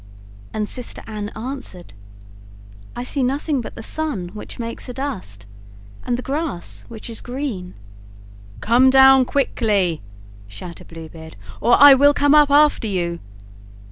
And sister Anne answered: "I see nothing but the sun, which makes a dust, and the grass, which is green." "Come down quickly," shouted Blue Beard, "or I will come up after you."